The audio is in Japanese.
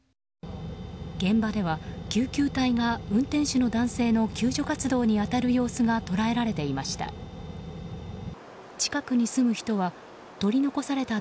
現場では救急隊が運転手の男性の救助活動に当たる様子が捉えられていました。